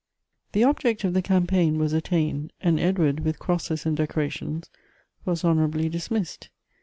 THE object of the campaign was attained, and Edward, with crosses and decorations, was honorably dis missed.